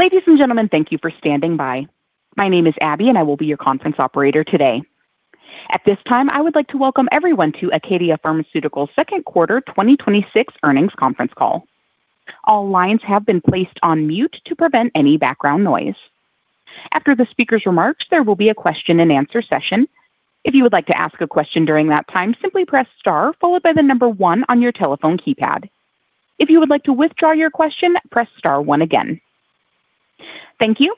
Ladies and gentlemen, thank you for standing by. My name is Abby, and I will be your conference operator today. At this time, I would like to welcome everyone to ACADIA Pharmaceuticals' second quarter 2026 earnings conference call. All lines have been placed on mute to prevent any background noise. After the speaker's remarks, there will be a question and answer session. If you would like to ask a question during that time, simply press star followed by the number one on your telephone keypad. If you would like to withdraw your question, press star one again. Thank you.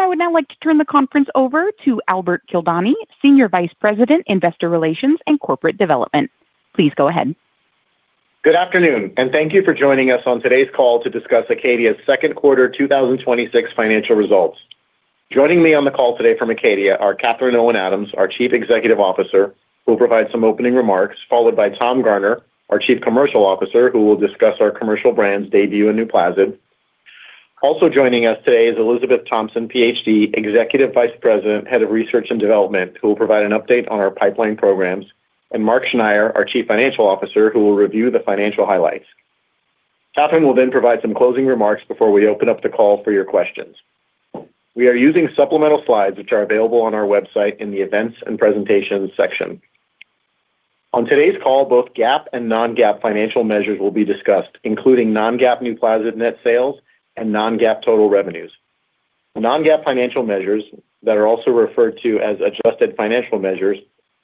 I would now like to turn the conference over to Al Kildani, Senior Vice President, Investor Relations and Corporate Communications. Please go ahead. Good afternoon, and thank you for joining us on today's call to discuss ACADIA's second quarter 2026 financial results. Joining me on the call today from ACADIA are Catherine Owen Adams, our Chief Executive Officer, who will provide some opening remarks, followed by Thomas Garner, our Chief Commercial Officer, who will discuss our commercial brands, DAYBUE and NUPLAZID. Also joining us today is Elizabeth Thompson, PhD, Executive Vice President, Head of Research and Development, who will provide an update on our pipeline programs, and Mark Schneyer, our Chief Financial Officer, who will review the financial highlights. Catherine will then provide some closing remarks before we open up the call for your questions. We are using supplemental slides, which are available on our website in the Events and Presentations section. On today's call, both GAAP and non-GAAP financial measures will be discussed, including non-GAAP NUPLAZID net sales and non-GAAP total revenues. Non-GAAP financial measures that are also referred to as adjusted financial measures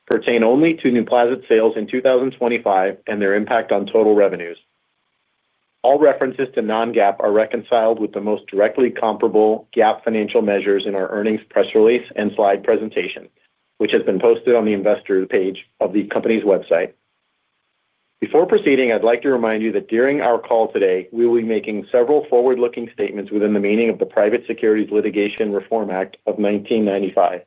pertain only to NUPLAZID sales in 2025 and their impact on total revenues. All references to non-GAAP are reconciled with the most directly comparable GAAP financial measures in our earnings press release and slide presentation, which has been posted on the investor page of the company's website. Before proceeding, I'd like to remind you that during our call today, we will be making several forward-looking statements within the meaning of the Private Securities Litigation Reform Act of 1995.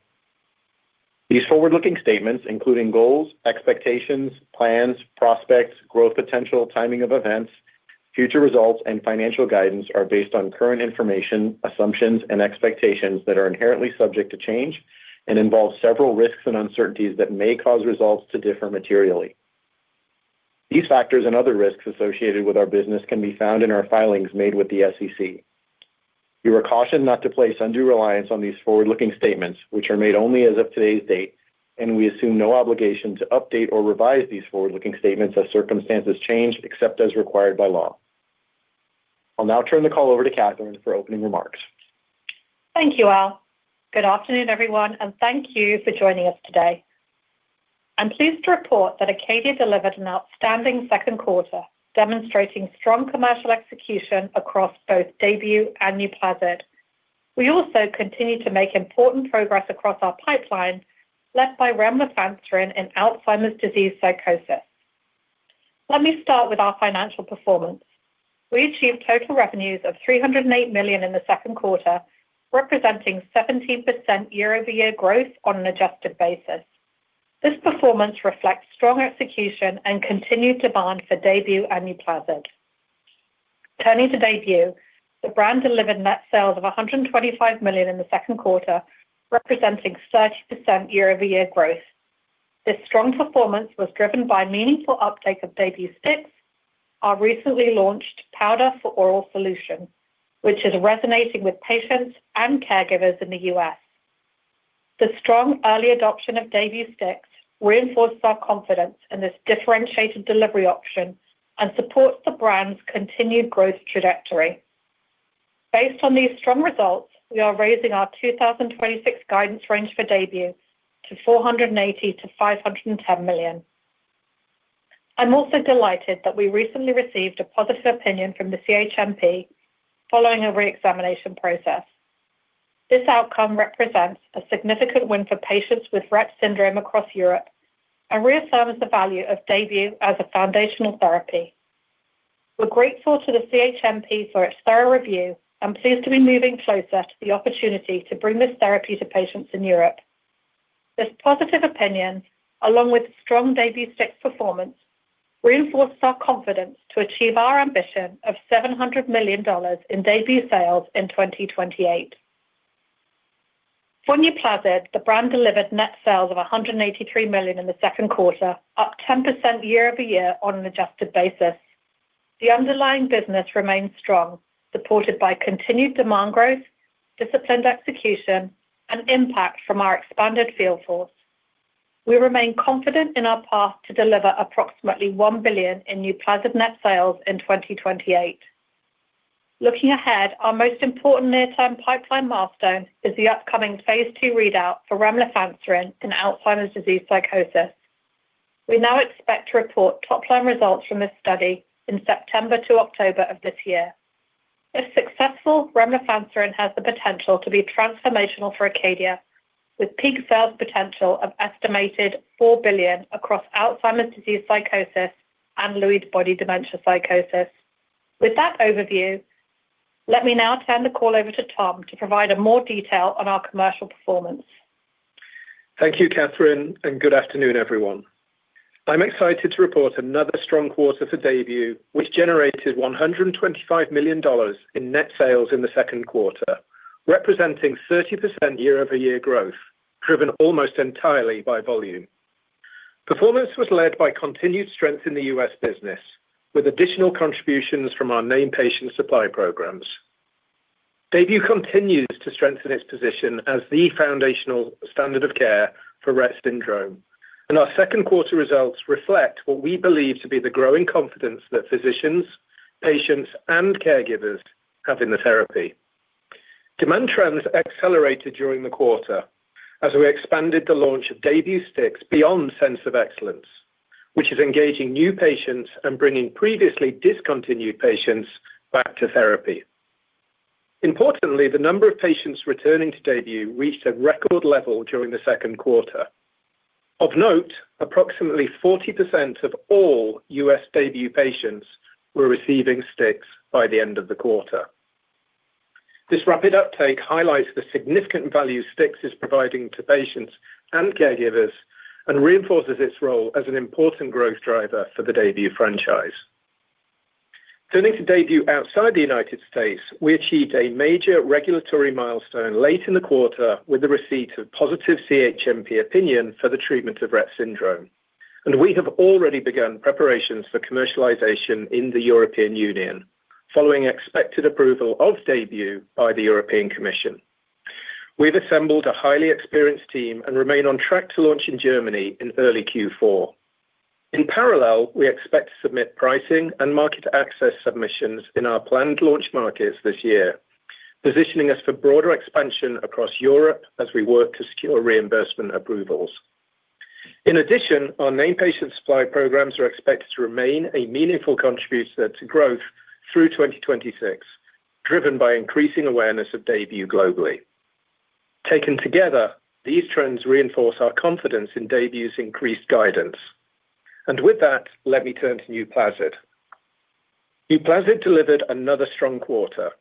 These forward-looking statements, including goals, expectations, plans, prospects, growth potential, timing of events, future results, and financial guidance, are based on current information, assumptions, and expectations that are inherently subject to change and involve several risks and uncertainties that may cause results to differ materially. These factors and other risks associated with our business can be found in our filings made with the SEC. You are cautioned not to place undue reliance on these forward-looking statements, which are made only as of today's date, we assume no obligation to update or revise these forward-looking statements as circumstances change, except as required by law. I'll now turn the call over to Catherine for opening remarks. Thank you, Al. Good afternoon, everyone, and thank you for joining us today. I am pleased to report that ACADIA delivered an outstanding second quarter, demonstrating strong commercial execution across both DAYBUE and NUPLAZID. We also continue to make important progress across our pipeline, led by remlifanserin in Alzheimer's disease psychosis. Let me start with our financial performance. We achieved total revenues of $308 million in the second quarter, representing 17% year-over-year growth on an adjusted basis. This performance reflects strong execution and continued demand for DAYBUE and NUPLAZID. Turning to DAYBUE, the brand delivered net sales of $125 million in the second quarter, representing 30% year-over-year growth. This strong performance was driven by meaningful uptake of DAYBUE STIX, our recently launched powder for oral solution, which is resonating with patients and caregivers in the U.S. The strong early adoption of DAYBUE STIX reinforces our confidence in this differentiated delivery option and supports the brand's continued growth trajectory. Based on these strong results, we are raising our 2026 guidance range for DAYBUE to $480 million-$510 million. I am also delighted that we recently received a positive opinion from the CHMP following a reexamination process. This outcome represents a significant win for patients with Rett syndrome across Europe and reaffirms the value of DAYBUE as a foundational therapy. We are grateful to the CHMP for its thorough review and pleased to be moving closer to the opportunity to bring this therapy to patients in Europe. This positive opinion, along with strong DAYBUE STIX performance, reinforces our confidence to achieve our ambition of $700 million in DAYBUE sales in 2028. For NUPLAZID, the brand delivered net sales of $183 million in the second quarter, up 10% year-over-year on an adjusted basis. The underlying business remains strong, supported by continued demand growth, disciplined execution, and impact from our expanded field force. We remain confident in our path to deliver approximately $1 billion in NUPLAZID net sales in 2028. Looking ahead, our most important near-term pipeline milestone is the upcoming phase II readout for remlifanserin in Alzheimer's disease psychosis. We now expect to report top-line results from this study in September to October of this year. If successful, remlifanserin has the potential to be transformational for ACADIA, with peak sales potential of estimated $4 billion across Alzheimer's disease psychosis and Lewy body dementia psychosis. With that overview, let me now turn the call over to Tom to provide more detail on our commercial performance. Thank you, Catherine, and good afternoon, everyone. I am excited to report another strong quarter for DAYBUE, which generated $125 million in net sales in the second quarter, representing 30% year-over-year growth, driven almost entirely by volume. Performance was led by continued strength in the U.S. business, with additional contributions from our name patient supply programs. DAYBUE continues to strengthen its position as the foundational standard of care for Rett syndrome, and our second quarter results reflect what we believe to be the growing confidence that physicians, patients, and caregivers have in the therapy. Demand trends accelerated during the quarter as we expanded the launch of DAYBUE STIX beyond Centers of Excellence, which is engaging new patients and bringing previously discontinued patients back to therapy. Importantly, the number of patients returning to DAYBUE reached a record level during the second quarter. Of note, approximately 40% of all U.S. DAYBUE patients were receiving STIX by the end of the quarter. This rapid uptake highlights the significant value STIX is providing to patients and caregivers and reinforces its role as an important growth driver for the DAYBUE franchise. Turning to DAYBUE outside the United States, we achieved a major regulatory milestone late in the quarter with the receipt of positive CHMP opinion for the treatment of Rett syndrome. We have already begun preparations for commercialization in the European Union following expected approval of DAYBUE by the European Commission. We've assembled a highly experienced team and remain on track to launch in Germany in early Q4. In parallel, we expect to submit pricing and market access submissions in our planned launch markets this year, positioning us for broader expansion across Europe as we work to secure reimbursement approvals. In addition, our name patient supply programs are expected to remain a meaningful contributor to growth through 2026, driven by increasing awareness of DAYBUE globally. Taken together, these trends reinforce our confidence in DAYBUE's increased guidance. With that, let me turn to NUPLAZID. NUPLAZID delivered another strong quarter,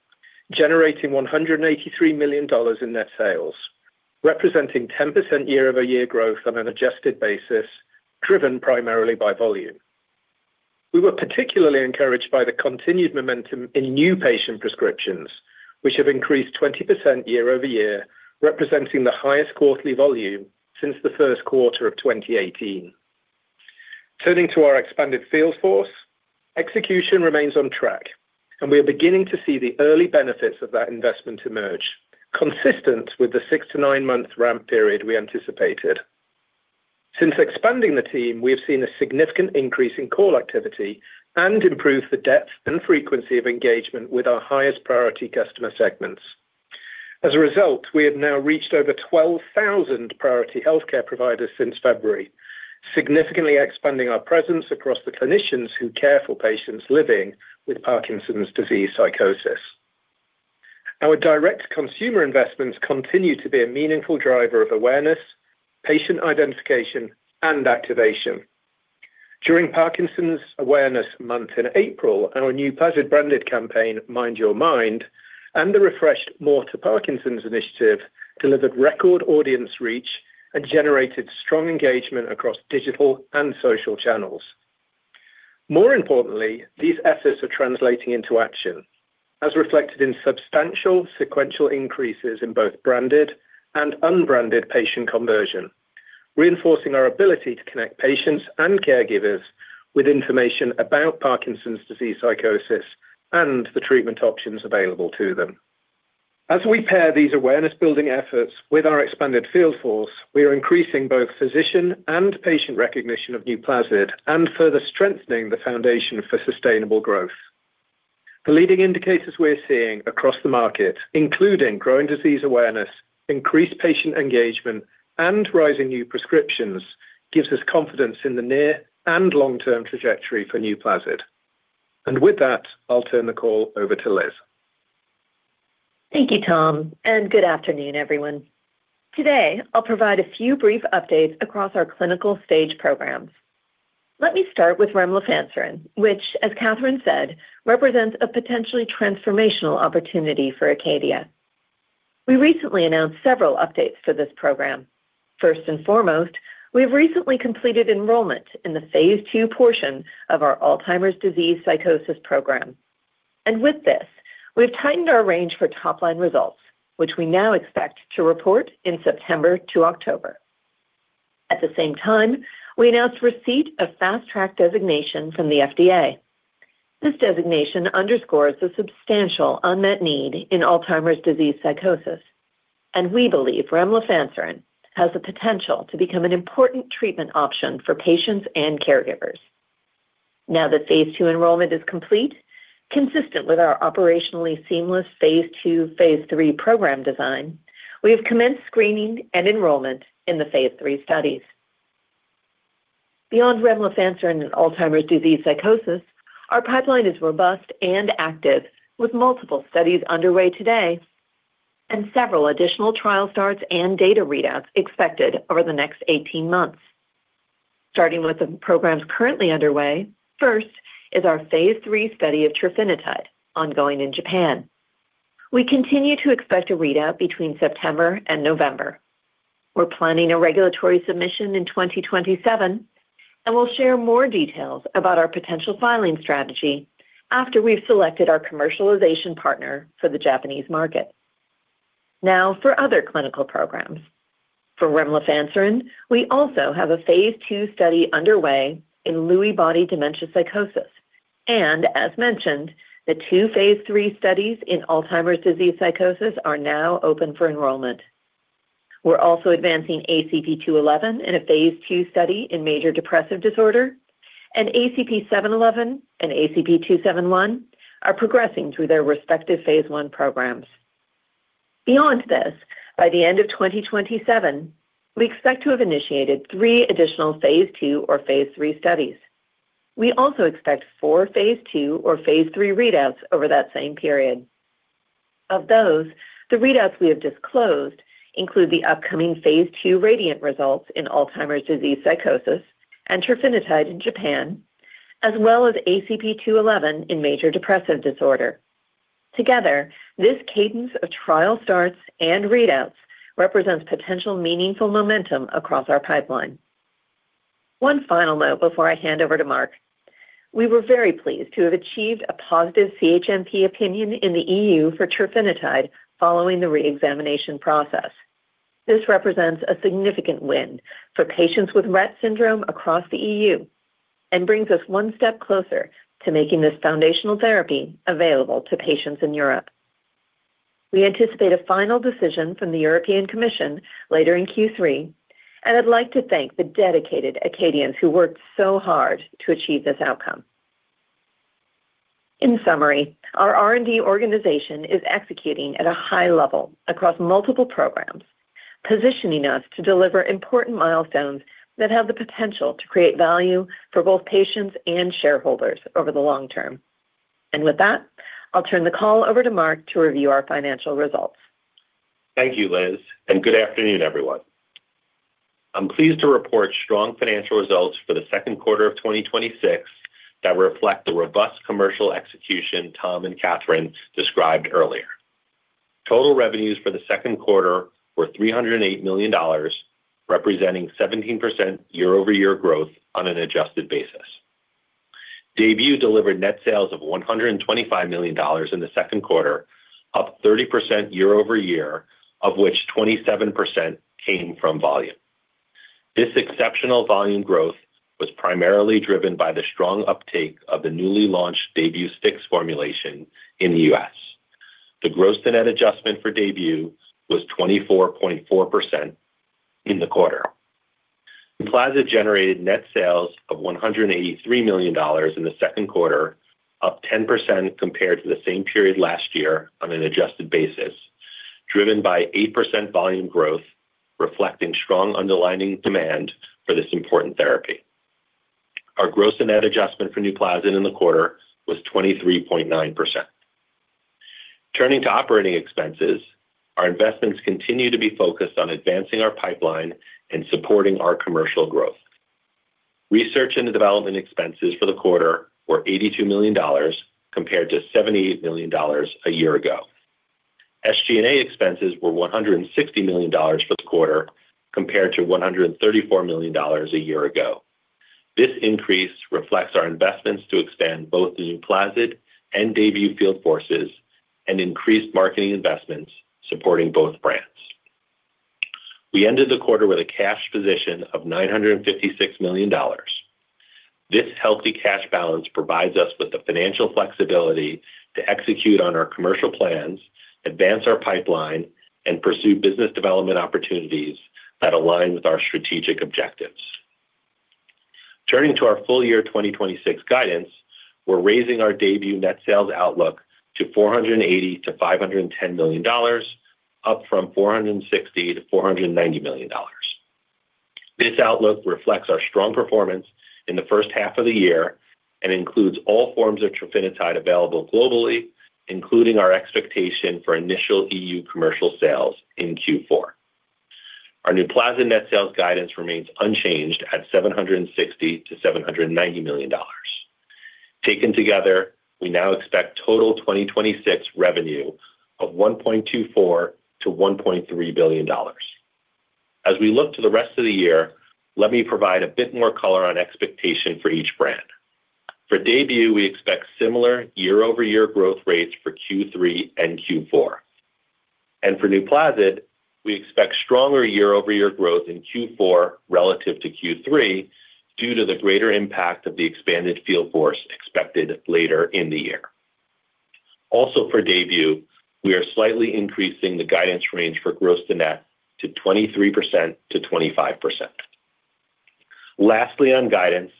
generating $183 million in net sales, representing 10% year-over-year growth on an adjusted basis, driven primarily by volume. We were particularly encouraged by the continued momentum in new patient prescriptions, which have increased 20% year-over-year, representing the highest quarterly volume since the first quarter of 2018. Turning to our expanded field force, execution remains on track, and we are beginning to see the early benefits of that investment emerge, consistent with the six to nine-month ramp period we anticipated. Since expanding the team, we have seen a significant increase in call activity and improved the depth and frequency of engagement with our highest priority customer segments. As a result, we have now reached over 12,000 priority healthcare providers since February, significantly expanding our presence across the clinicians who care for patients living with Parkinson's disease psychosis. Our direct consumer investments continue to be a meaningful driver of awareness, patient identification, and activation. During Parkinson's Awareness Month in April, our NUPLAZID-branded campaign, Mind Your Mind, and the refreshed More to Parkinson's initiative delivered record audience reach and generated strong engagement across digital and social channels. More importantly, these efforts are translating into action, as reflected in substantial sequential increases in both branded and unbranded patient conversion, reinforcing our ability to connect patients and caregivers with information about Parkinson's disease psychosis and the treatment options available to them. As we pair these awareness-building efforts with our expanded field force, we are increasing both physician and patient recognition of NUPLAZID and further strengthening the foundation for sustainable growth. The leading indicators we're seeing across the market, including growing disease awareness, increased patient engagement, and rising new prescriptions, gives us confidence in the near and long-term trajectory for NUPLAZID. With that, I'll turn the call over to Liz. Thank you, Tom. Good afternoon, everyone. Today, I'll provide a few brief updates across our clinical-stage programs. Let me start with remlifanserin, which, as Catherine said, represents a potentially transformational opportunity for ACADIA Pharmaceuticals. We recently announced several updates for this program. First and foremost, we have recently completed enrollment in the phase II portion of our Alzheimer's disease psychosis program. With this, we've tightened our range for top-line results, which we now expect to report in September to October. At the same time, we announced receipt of Fast Track designation from the FDA. This designation underscores the substantial unmet need in Alzheimer's disease psychosis. We believe remlifanserin has the potential to become an important treatment option for patients and caregivers. Now that phase II enrollment is complete, consistent with our operationally seamless phase II/phase III program design, we have commenced screening and enrollment in the phase III studies. Beyond remlifanserin in Alzheimer's disease psychosis, our pipeline is robust and active with multiple studies underway today. Several additional trial starts and data readouts expected over the next 18 months. Starting with the programs currently underway, first is our phase III study of trofinetide ongoing in Japan. We continue to expect a readout between September and November. We're planning a regulatory submission in 2027. We'll share more details about our potential filing strategy after we've selected our commercialization partner for the Japanese market. Now for other clinical programs. For remlifanserin, we also have a phase II study underway in Lewy body dementia psychosis. As mentioned, the two phase III studies in Alzheimer's disease psychosis are now open for enrollment. We're also advancing ACP-211 in a phase II study in major depressive disorder. ACP-711 and ACP-271 are progressing through their respective phase I programs. Beyond this, by the end of 2027, we expect to have initiated three additional phase II or phase III studies. We also expect four phase II or phase III readouts over that same period. Of those, the readouts we have disclosed include the upcoming phase II RADIANT results in Alzheimer's disease psychosis and trofinetide in Japan, as well as ACP-211 in major depressive disorder. Together, this cadence of trial starts and readouts represents potential meaningful momentum across our pipeline. One final note before I hand over to Mark. We were very pleased to have achieved a positive CHMP opinion in the EU for trofinetide following the re-examination process. This represents a significant win for patients with Rett syndrome across the EU and brings us one step closer to making this foundational therapy available to patients in Europe. We anticipate a final decision from the European Commission later in Q3, I'd like to thank the dedicated Acadians who worked so hard to achieve this outcome. In summary, our R&D organization is executing at a high level across multiple programs, positioning us to deliver important milestones that have the potential to create value for both patients and shareholders over the long term. With that, I'll turn the call over to Mark to review our financial results. Thank you, Liz. Good afternoon, everyone. I'm pleased to report strong financial results for the second quarter of 2026 that reflect the robust commercial execution Tom and Catherine described earlier. Total revenues for the second quarter were $308 million, representing 17% year-over-year growth on an adjusted basis. DAYBUE delivered net sales of $125 million in the second quarter, up 30% year-over-year of which 27% came from volume. This exceptional volume growth was primarily driven by the strong uptake of the newly launched DAYBUE STIX formulation in the U.S. The gross-to-net adjustment for DAYBUE was 24.4% in the quarter. NUPLAZID generated net sales of $183 million in the second quarter, up 10% compared to the same period last year on an adjusted basis, driven by 8% volume growth, reflecting strong underlying demand for this important therapy. Our gross-to-net adjustment for NUPLAZID in the quarter was 23.9%. Turning to operating expenses, our investments continue to be focused on advancing our pipeline and supporting our commercial growth. Research and development expenses for the quarter were $82 million, compared to $78 million a year ago. SG&A expenses were $160 million for the quarter, compared to $134 million a year ago. This increase reflects our investments to expand both the NUPLAZID and DAYBUE field forces and increased marketing investments supporting both brands. We ended the quarter with a cash position of $956 million. This healthy cash balance provides us with the financial flexibility to execute on our commercial plans, advance our pipeline, and pursue business development opportunities that align with our strategic objectives. Turning to our full year 2026 guidance, we're raising our DAYBUE net sales outlook to $480 million-$510 million, up from $460 million-$490 million. This outlook reflects our strong performance in the first half of the year and includes all forms of trofinetide available globally, including our expectation for initial EU commercial sales in Q4. Our NUPLAZID net sales guidance remains unchanged at $760 million-$790 million. Taken together, we now expect total 2026 revenue of $1.24 billion-$1.3 billion. As we look to the rest of the year, let me provide a bit more color on expectation for each brand. For DAYBUE, we expect similar year-over-year growth rates for Q3 and Q4. For NUPLAZID, we expect stronger year-over-year growth in Q4 relative to Q3 due to the greater impact of the expanded field force expected later in the year. For DAYBUE, we are slightly increasing the guidance range for gross-to-net to 23%-25%. Lastly, on guidance,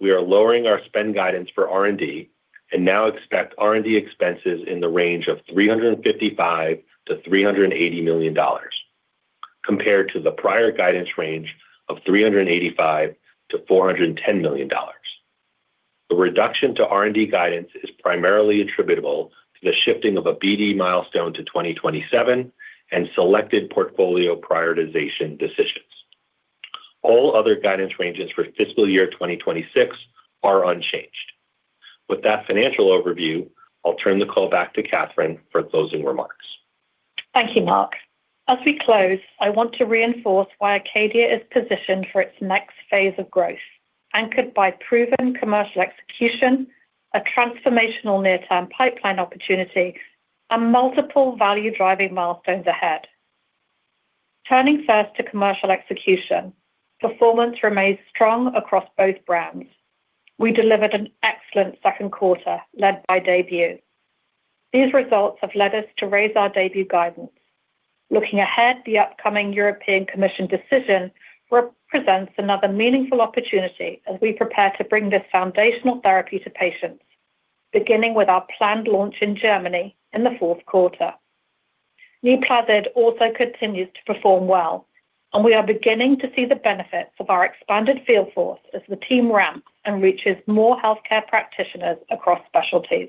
we are lowering our spend guidance for R&D and now expect R&D expenses in the range of $355 million-$380 million, compared to the prior guidance range of $385 million-$410 million. The reduction to R&D guidance is primarily attributable to the shifting of a BD milestone to 2027 and selected portfolio prioritization decisions. All other guidance ranges for fiscal year 2026 are unchanged. With that financial overview, I'll turn the call back to Catherine for closing remarks. Thank you, Mark. As we close, I want to reinforce why ACADIA is positioned for its next phase of growth. Anchored by proven commercial execution, a transformational near-term pipeline opportunity, and multiple value-driving milestones ahead. Turning first to commercial execution, performance remains strong across both brands. We delivered an excellent second quarter led by DAYBUE. These results have led us to raise our DAYBUE guidance. Looking ahead, the upcoming European Commission decision represents another meaningful opportunity as we prepare to bring this foundational therapy to patients, beginning with our planned launch in Germany in the fourth quarter. NUPLAZID also continues to perform well, and we are beginning to see the benefits of our expanded field force as the team ramps and reaches more healthcare practitioners across specialties.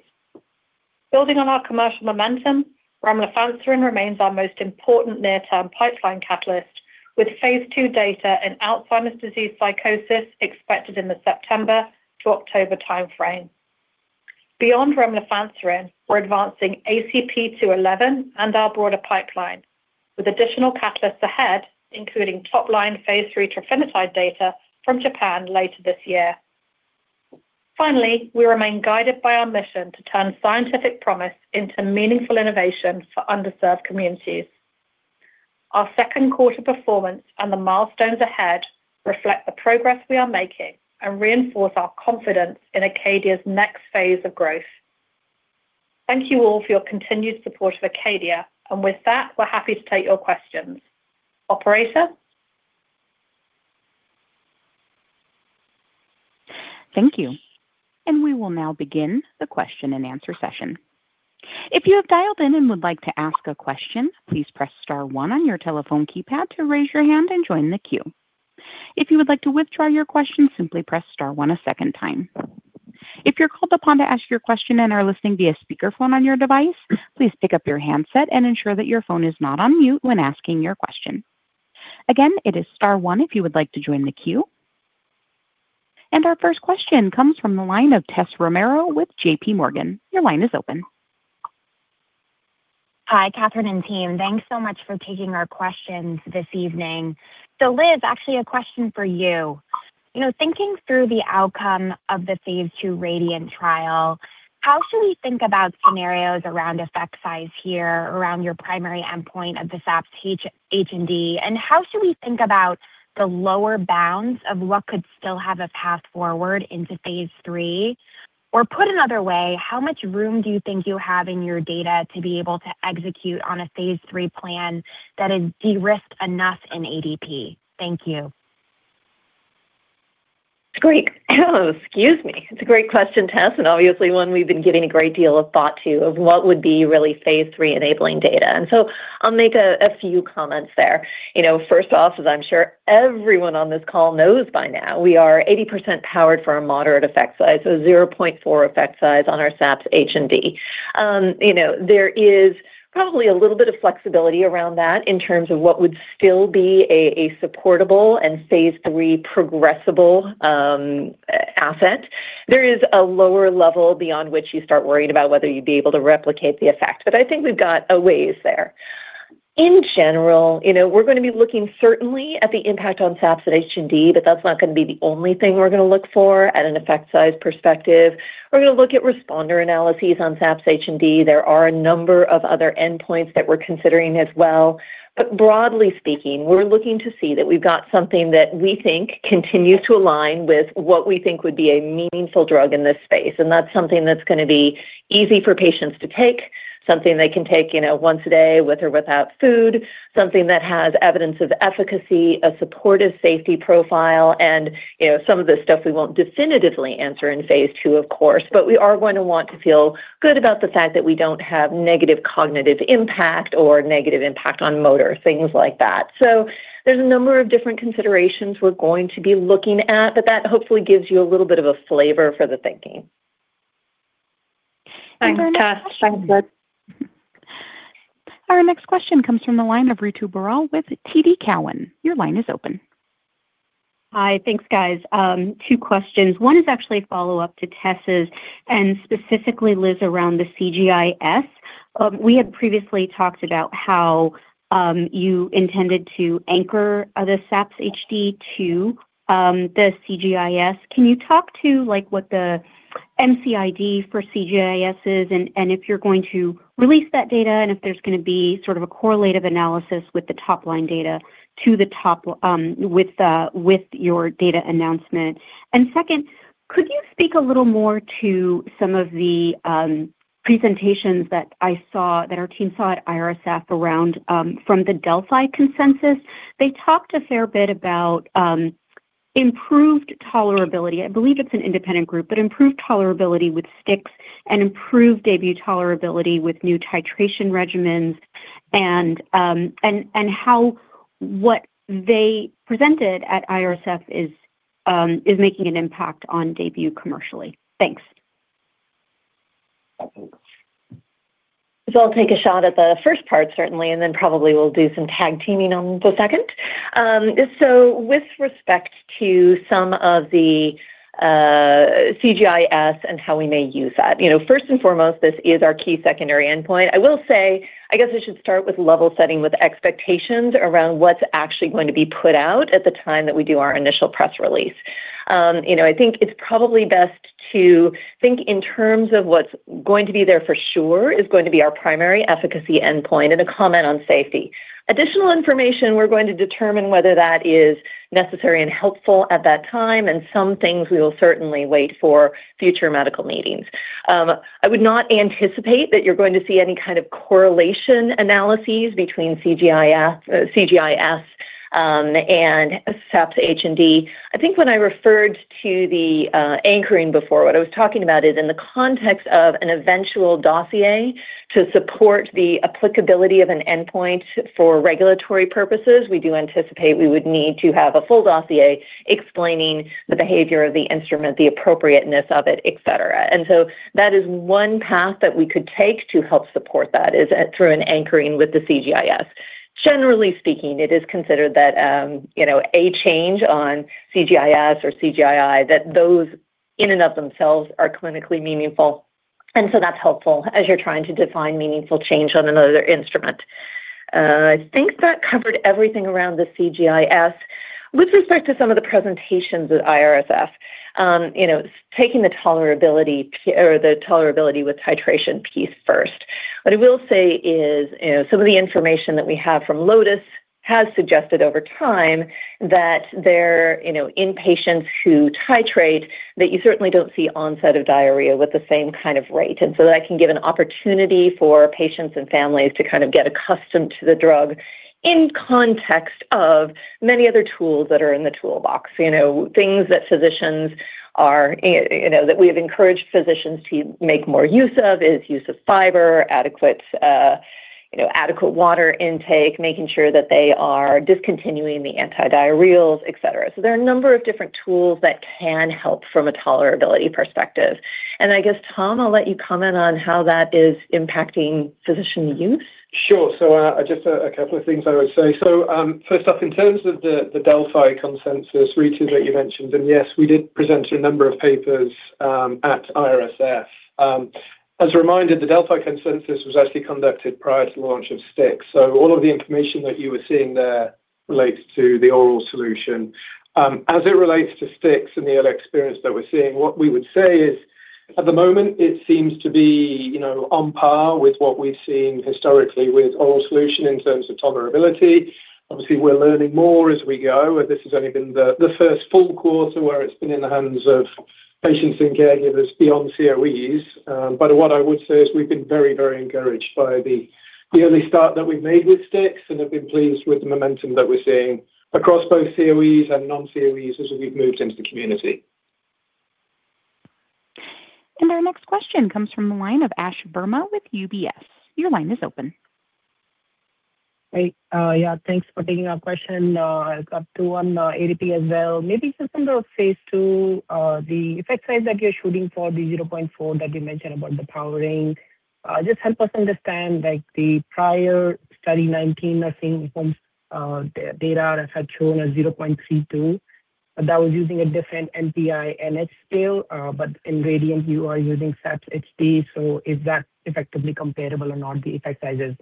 Building on our commercial momentum, remlifanserin remains our most important near-term pipeline catalyst, with phase II data in Alzheimer's disease psychosis expected in the September to October timeframe. Beyond remlifanserin, we're advancing ACP-211 and our broader pipeline, with additional catalysts ahead, including top-line phase III trofinetide data from Japan later this year. Finally, we remain guided by our mission to turn scientific promise into meaningful innovation for underserved communities. Our second quarter performance and the milestones ahead reflect the progress we are making and reinforce our confidence in ACADIA's next phase of growth. Thank you all for your continued support of ACADIA. With that, we're happy to take your questions. Operator? Thank you. We will now begin the question and answer session. If you have dialed in and would like to ask a question, please press star one on your telephone keypad to raise your hand and join the queue. If you would like to withdraw your question, simply press star one a second time. If you're called upon to ask your question and are listening via speakerphone on your device, please pick up your handset and ensure that your phone is not on mute when asking your question. Again, it is star one if you would like to join the queue. Our first question comes from the line of Tessa Romero with JPMorgan. Your line is open. Hi, Catherine and team. Thanks so much for taking our questions this evening. Liz, actually a question for you. Thinking through the outcome of the phase II RADIANT trial, how should we think about scenarios around effect size here around your primary endpoint of the SAPS H&D? How should we think about the lower bounds of what could still have a path forward into phase III? Put another way, how much room do you think you have in your data to be able to execute on a phase III plan that is de-risked enough in ADP? Thank you. It's a great question, Tess, and obviously one we've been giving a great deal of thought to, of what would be really phase III-enabling data. I'll make a few comments there. First off, as I'm sure everyone on this call knows by now, we are 80% powered for a moderate effect size, 0.4 effect size on our SAPS H&D. There is probably a little bit of flexibility around that in terms of what would still be a supportable and phase III progressable asset. There is a lower level beyond which you start worrying about whether you'd be able to replicate the effect. I think we've got a ways there. In general, we're going to be looking certainly at the impact on SAPS at H&D, but that's not going to be the only thing we're going to look for at an effect size perspective. We're going to look at responder analyses on SAPS H&D. There are a number of other endpoints that we're considering as well. Broadly speaking, we're looking to see that we've got something that we think continues to align with what we think would be a meaningful drug in this space. That's something that's going to be easy for patients to take, something they can take once a day with or without food, something that has evidence of efficacy, a supportive safety profile, and some of the stuff we won't definitively answer in phase II, of course. We are going to want to feel good about the fact that we don't have negative cognitive impact or negative impact on motor, things like that. There's a number of different considerations we're going to be looking at, but that hopefully gives you a little bit of a flavor for the thinking. Thanks, Tessa. Thanks. Our next question comes from the line of Ritu Baral with TD Cowen. Your line is open. Hi. Thanks, guys. Two questions. One is actually a follow-up to Tess's and specifically, Liz, around the CGI-S. We had previously talked about how you intended to anchor the SAPS H&D to the CGI-S. Can you talk to what the MCID for CGI-S is, and if you're going to release that data, and if there's going to be sort of a correlative analysis with the top-line data with your data announcement? Second, could you speak a little more to some of the presentations that our team saw at IRSF around from the Delphi consensus? They talked a fair bit about improved tolerability. I believe it's an independent group, but improved tolerability with DAYBUE STIX and improved DAYBUE tolerability with new titration regimens and how what they presented at IRSF is making an impact on DAYBUE commercially. Thanks. I'll take a shot at the first part, certainly, and then probably we'll do some tag teaming on the second. With respect to some of the CGI-S and how we may use that. First and foremost, this is our key secondary endpoint. I will say, I guess I should start with level setting with expectations around what's actually going to be put out at the time that we do our initial press release. I think it's probably best to think in terms of what's going to be there for sure is going to be our primary efficacy endpoint and a comment on safety. Additional information, we're going to determine whether that is necessary and helpful at that time, and some things we will certainly wait for future medical meetings. I would not anticipate that you're going to see any kind of correlation analyses between CGI-S and SAPS H&D. I think when I referred to the anchoring before, what I was talking about is in the context of an eventual dossier to support the applicability of an endpoint for regulatory purposes. We do anticipate we would need to have a full dossier explaining the behavior of the instrument, the appropriateness of it, et cetera. That is one path that we could take to help support that, is through an anchoring with the CGI-S. Generally speaking, it is considered that a change on CGI-S or CGI-I, that those in and of themselves are clinically meaningful, and so that's helpful as you're trying to define meaningful change on another instrument. I think that covered everything around the CGI-S. With respect to some of the presentations at IRSF, taking the tolerability with titration piece first. What I will say is some of the information that we have from LOTUS has suggested over time that there, in patients who titrate, that you certainly don't see onset of diarrhea with the same kind of rate. That can give an opportunity for patients and families to get accustomed to the drug in context of many other tools that are in the toolbox. Things that we have encouraged physicians to make more use of is use of fiber, adequate water intake, making sure that they are discontinuing the antidiarrheals, et cetera. There are a number of different tools that can help from a tolerability perspective. I guess, Tom, I'll let you comment on how that is impacting physician use. Just a couple of things I would say. First off, in terms of the Delphi consensus reaches that you mentioned, yes, we did present a number of papers at IRSF. As a reminder, the Delphi consensus was actually conducted prior to the launch of STIX. All of the information that you were seeing there relates to the oral solution. As it relates to STIX and the real experience that we're seeing, what we would say is, at the moment, it seems to be on par with what we've seen historically with oral solution in terms of tolerability. Obviously, we're learning more as we go, and this has only been the first full quarter where it's been in the hands of patients and caregivers beyond COEs. What I would say is we've been very encouraged by the early start that we've made with STIX and have been pleased with the momentum that we're seeing across both COEs and non-COEs as we've moved into the community. Our next question comes from the line of Ashwani Verma with UBS. Your line is open. Great. Thanks for taking our question. I've got two on ADP as well. Maybe since in the phase II, the effect size that you're shooting for, the 0.4 that you mentioned about the powering. Just help us understand, the prior Study 019, I think, from data that had shown a 0.32, that was using a different NPI-NH scale. In RADIANT, you are using SAPS H&D, so is that effectively comparable or not, the effect sizes?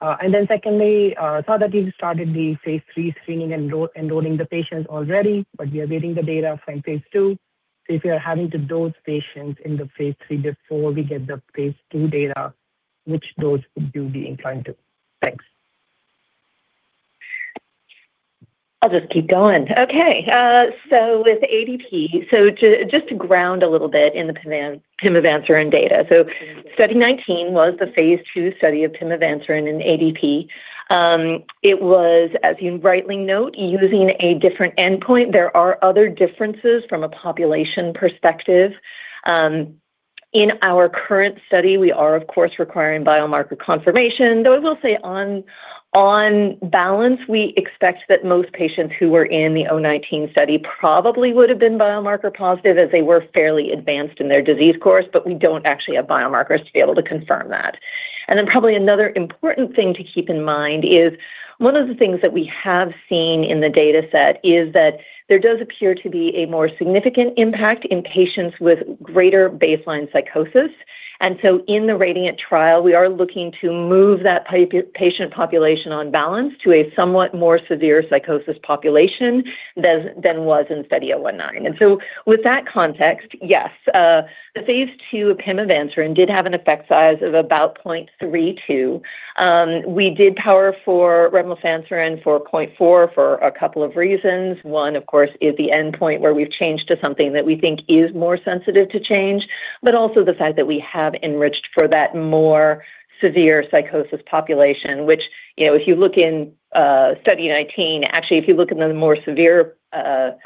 Then secondly, saw that you started the phase III screening and enrolling the patients already, but we are waiting the data from phase II. If you're having to dose patients in the phase III before we get the phase II data, which dose would you be inclined to? Thanks. I'll just keep going. With ADP, just to ground a little bit in the pimavanserin data. Study 019 was the phase II study of pimavanserin in ADP. It was, as you rightly note, using a different endpoint. There are other differences from a population perspective. In our current study, we are, of course, requiring biomarker confirmation, though I will say on balance, we expect that most patients who were in the 019 study probably would have been biomarker positive as they were fairly advanced in their disease course. We don't actually have biomarkers to be able to confirm that. Probably another important thing to keep in mind is one of the things that we have seen in the dataset is that there does appear to be a more significant impact in patients with greater baseline psychosis. In the RADIANT trial, we are looking to move that patient population on balance to a somewhat more severe psychosis population than was in Study 019. With that context, yes, the phase II of pimavanserin did have an effect size of about 0.32. We did power for remlifanserin for 0.4 for a couple of reasons. One, of course, is the endpoint where we've changed to something that we think is more sensitive to change, but also the fact that we have enriched for that more severe psychosis population, which if you look in Study 019, actually, if you look in the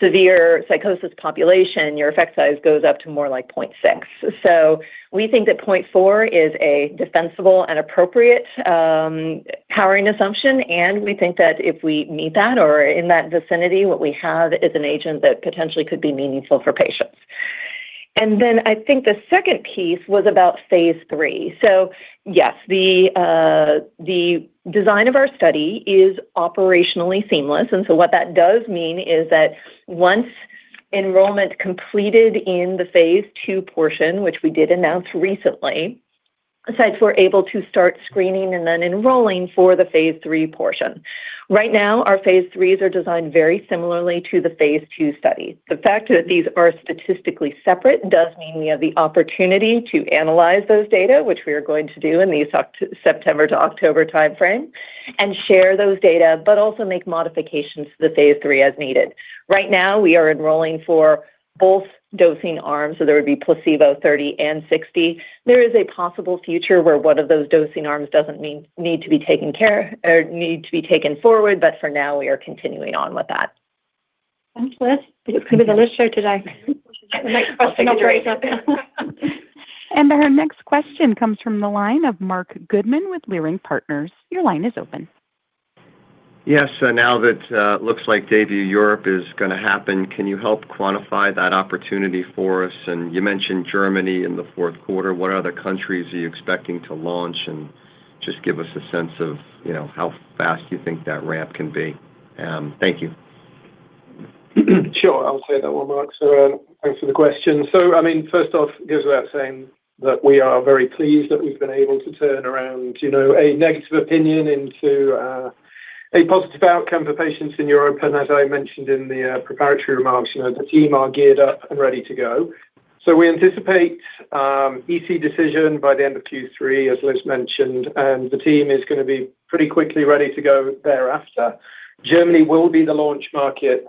severe psychosis population, your effect size goes up to more like 0.6. We think that 0.4 is a defensible and appropriate powering assumption, and we think that if we meet that or in that vicinity, what we have is an agent that potentially could be meaningful for patients. I think the second piece was about phase III. Yes, the design of our study is operationally seamless. What that does mean is that once enrollment completed in the phase II portion, which we did announce recently, sites were able to start screening and then enrolling for the phase III portion. Right now, our phase IIIs are designed very similarly to the phase II study. The fact that these are statistically separate does mean we have the opportunity to analyze those data, which we are going to do in the September to October timeframe and share those data, but also make modifications to the phase III as needed. Right now, we are enrolling for both dosing arms, so there would be placebo 30 and 60. There is a possible future where one of those dosing arms doesn't need to be taken forward, for now, we are continuing on with that. Thanks, Liz. It's going to be the Liz show today. The next question will be- I'll take it up. Our next question comes from the line of Marc Goodman with Leerink Partners. Your line is open. Yes. Now that it looks like DAYBUE Europe is going to happen, can you help quantify that opportunity for us? You mentioned Germany in the fourth quarter. What other countries are you expecting to launch? Just give us a sense of how fast you think that ramp can be. Thank you. Sure. I'll take that one, Marc. Thanks for the question. First off, goes without saying that we are very pleased that we've been able to turn around a negative opinion into a positive outcome for patients in Europe. As I mentioned in the preparatory remarks, the team are geared up and ready to go. We anticipate EC decision by the end of Q3, as Liz mentioned, the team is going to be pretty quickly ready to go thereafter. Germany will be the launch market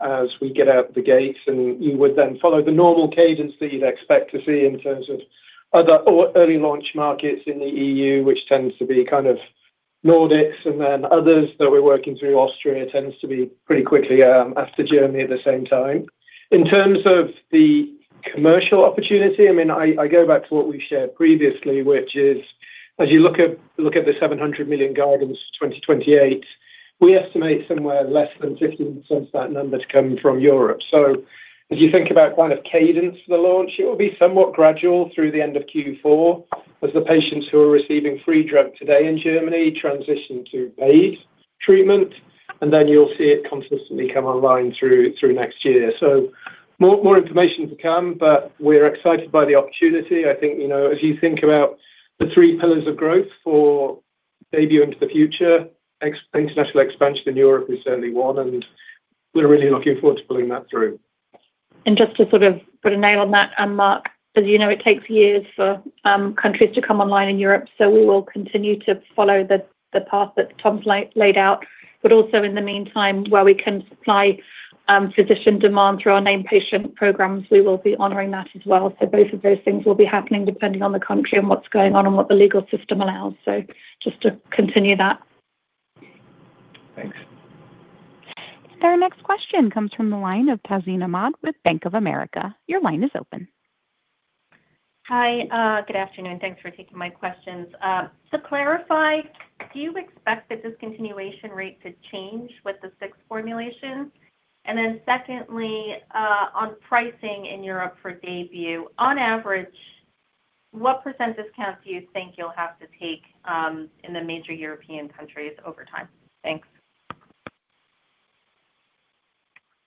as we get out the gates, you would then follow the normal cadence that you'd expect to see in terms of other early launch markets in the EU, which tends to be Nordics and then others that we're working through. Austria tends to be pretty quickly after Germany at the same time. In terms of the commercial opportunity, I go back to what we've shared previously, which is, as you look at the $700 million guidance for 2028, we estimate somewhere less than 50% of that number to come from Europe. As you think about cadence for the launch, it will be somewhat gradual through the end of Q4 as the patients who are receiving free drug today in Germany transition to paid treatment, and then you'll see it consistently come online through next year. More information to come, but we're excited by the opportunity. I think as you think about the three pillars of growth for DAYBUE into the future, international expansion in Europe is certainly one, and we're really looking forward to pulling that through. Just to sort of put a nail on that, Mark, as you know, it takes years for countries to come online in Europe, so we will continue to follow the path that Tom's laid out. Also in the meantime, where we can supply physician demand through our named patient programs, we will be honoring that as well. Both of those things will be happening depending on the country and what's going on and what the legal system allows. Just to continue that. Thanks. Our next question comes from the line of Tazeen Ahmad with Bank of America. Your line is open. Hi. Good afternoon. Thanks for taking my questions. To clarify, do you expect the discontinuation rate to change with the STIX formulation? Secondly, on pricing in Europe for DAYBUE, on average, what % discount do you think you'll have to take in the major European countries over time?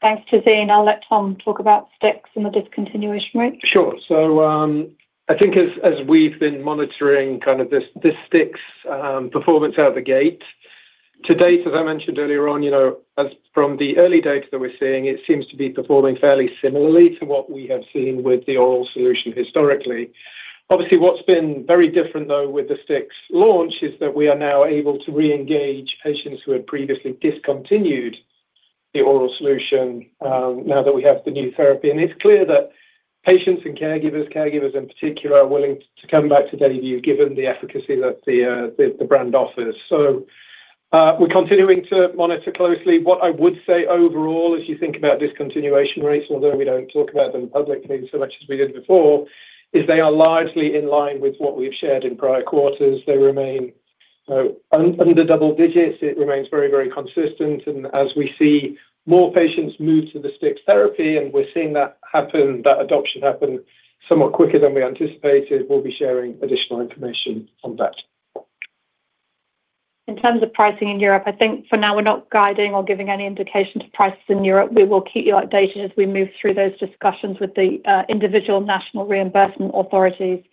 Thanks. Thanks, Tazeen. I'll let Tom talk about Stix and the discontinuation rate. Sure. I think as we've been monitoring this Stix performance out of the gate, to date, as I mentioned earlier on, from the early data that we're seeing, it seems to be performing fairly similarly to what we have seen with the oral solution historically. Obviously, what's been very different though with the Stix launch is that we are now able to reengage patients who had previously discontinued the oral solution now that we have the new therapy. It's clear that patients and caregivers in particular, are willing to come back to DAYBUE given the efficacy that the brand offers. We're continuing to monitor closely. What I would say overall as you think about discontinuation rates, although we don't talk about them publicly so much as we did before, is they are largely in line with what we've shared in prior quarters. They remain under double digits. It remains very consistent. As we see more patients move to the Stix therapy, and we're seeing that adoption happen somewhat quicker than we anticipated, we'll be sharing additional information on that. In terms of pricing in Europe, I think for now we're not guiding or giving any indication to prices in Europe. We will keep you updated as we move through those discussions with the individual national reimbursement authorities,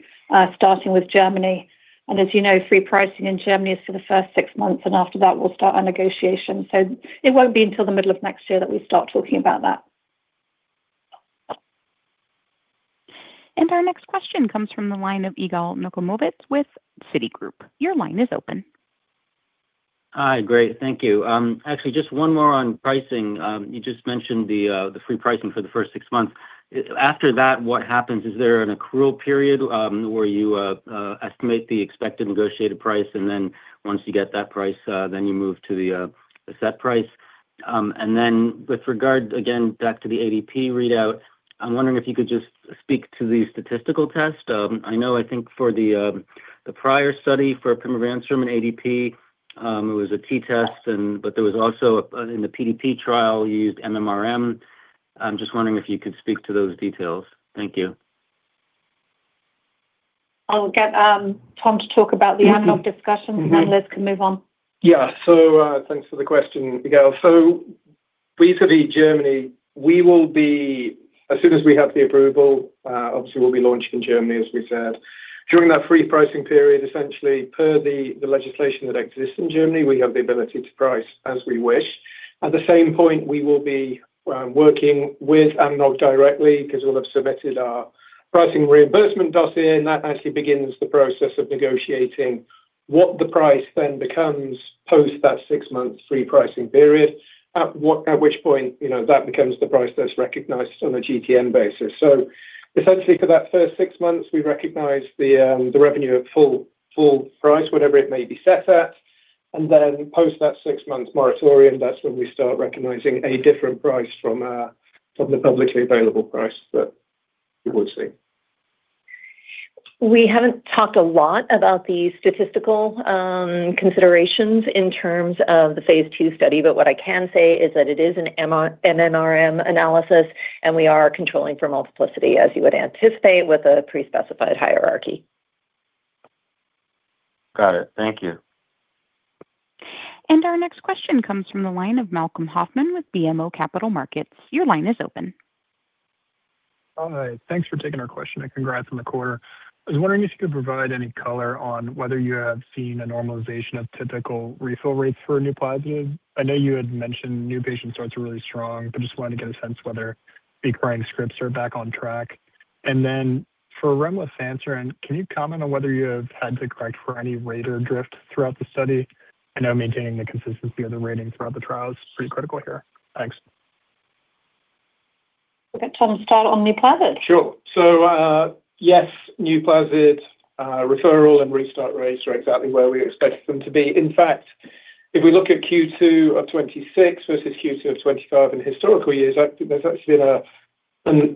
starting with Germany. As you know, free pricing in Germany is for the first six months, and after that we'll start our negotiation. It won't be until the middle of next year that we start talking about that. Our next question comes from the line of Yigal Nochomovitz with Citigroup. Your line is open. Hi. Great. Thank you. Actually, just one more on pricing. You just mentioned the free pricing for the first six months. After that, what happens? Is there an accrual period where you estimate the expected negotiated price and then once you get that price, then you move to the set price? With regard, again, back to the ADP readout, I'm wondering if you could just speak to the statistical test. I know I think for the prior study for pimavanserin ADP It was a t-test, but there was also in the PDP trial, you used MMRM. I'm just wondering if you could speak to those details. Thank you. I'll get Tom to talk about the analog discussion, and then Liz can move on. Yeah. Thanks for the question, Yigal. Regarding Germany, as soon as we have the approval, obviously, we'll be launching in Germany, as we said. During that free pricing period, essentially per the legislation that exists in Germany, we have the ability to price as we wish. At the same point, we will be working with AMNOG directly because we'll have submitted our pricing reimbursement dossier, and that actually begins the process of negotiating what the price then becomes post that six-month free pricing period. At which point, that becomes the price that's recognized on a GTN basis. Essentially, for that first six months, we recognize the revenue at full price, whatever it may be set at. Post that six-month moratorium, that's when we start recognizing a different price from the publicly available price that you would see. We haven't talked a lot about the statistical considerations in terms of the phase II study, but what I can say is that it is an MMRM analysis, and we are controlling for multiplicity, as you would anticipate with a pre-specified hierarchy. Got it. Thank you. Our next question comes from the line of Malcolm Hoffman with BMO Capital Markets. Your line is open. Hi. Thanks for taking our question, and congrats on the quarter. I was wondering if you could provide any color on whether you have seen a normalization of typical refill rates for NUPLAZID. I know you had mentioned new patient starts are really strong, just wanted to get a sense whether recurring scripts are back on track. For remlifanserin, can you comment on whether you have had to correct for any rater drift throughout the study? I know maintaining the consistency of the rating throughout the trial is pretty critical here. Thanks. We'll get Tom to start on NUPLAZID. Sure. Yes, NUPLAZID referral and restart rates are exactly where we expected them to be. In fact, if we look at Q2 of 2026 versus Q2 of 2025 in historical years, there's actually been a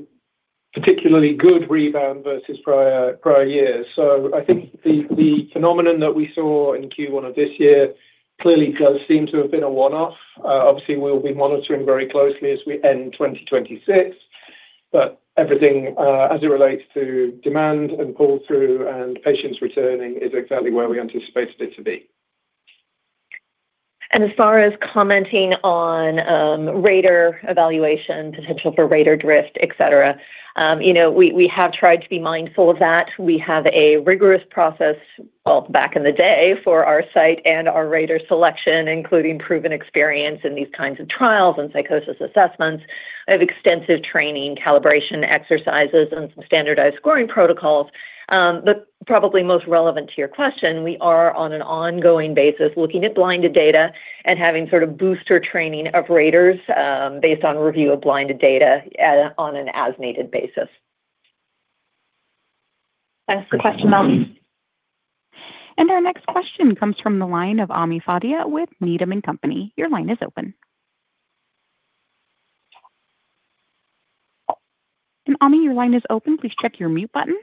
particularly good rebound versus prior years. I think the phenomenon that we saw in Q1 of this year clearly does seem to have been a one-off. Obviously, we'll be monitoring very closely as we end 2026. Everything, as it relates to demand and pull-through and patients returning, is exactly where we anticipated it to be. As far as commenting on rater evaluation, potential for rater drift, et cetera. We have tried to be mindful of that. We have a rigorous process, well, back in the day, for our site and our rater selection, including proven experience in these kinds of trials and psychosis assessments. We have extensive training, calibration exercises, and some standardized scoring protocols. Probably most relevant to your question, we are on an ongoing basis looking at blinded data and having sort of booster training of raters based on review of blinded data on an as-needed basis. Thanks for the question, Malcolm. Our next question comes from the line of Ami Fadia with Needham & Company. Your line is open. Ami, your line is open. Please check your mute button.